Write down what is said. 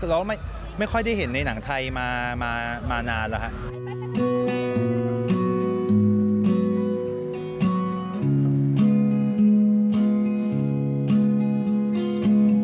เราก็ไม่ค่อยได้เห็นในหนังไทยมานานแล้วครับ